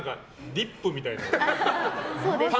ディップみたいな。